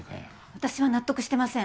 私は納得してません。